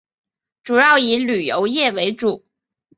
主要以旅游业为主。